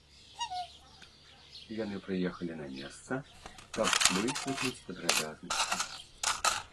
Яны прыехалі на месца, каб высветліць падрабязнасці.